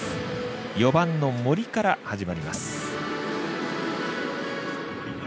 ４番の森から始まります。